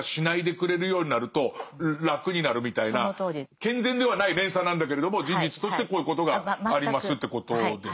健全ではない連鎖なんだけれども事実としてこういうことがありますっていうことです。